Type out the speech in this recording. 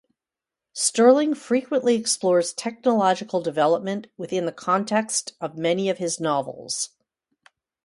Stirling frequently explores technological development within the context of many of his novels.